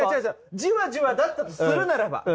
じわじわだったとするならば。